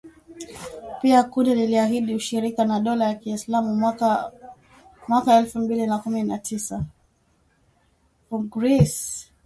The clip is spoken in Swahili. Pia kundi liliahidi ushirika na dola ya Kiislamu mwaka mwaka elfu mbili na kumi na tisa